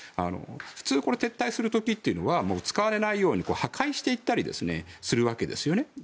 普通、撤退する時というのは使われないように破壊していったりするわけです。